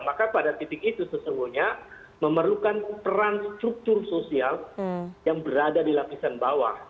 maka pada titik itu sesungguhnya memerlukan peran struktur sosial yang berada di lapisan bawah